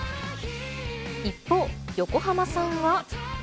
一方、横浜さんは。